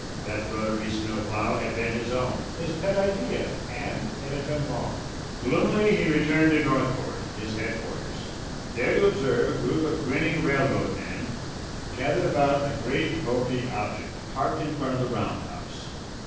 That rotary snow plough had been his own, his pet idea and it had been wrong! Gloomily he returned to Northport, his headquarters, there to observe a group of grinning railroad men gathered about a great, bulky object parked in front of the roundhouse.